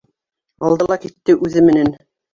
Алды ла китте үҙе менән.